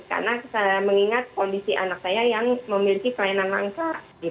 karena saya mengingat kondisi anak saya yang memiliki pelayanan langka